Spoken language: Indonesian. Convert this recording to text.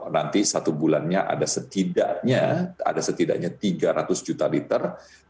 nanti satu bulannya ada setidaknya tiga ratus juta liter